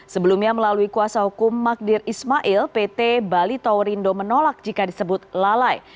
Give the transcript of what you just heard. sebelumnya melalui kuasa hukum magdir ismail pt bali towerindo menolak jika disebut lalai